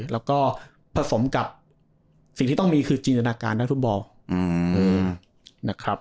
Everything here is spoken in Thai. แล้วก็ผสมกับสิ่งที่ต้องมีคือจินจนาการในฟุตบอล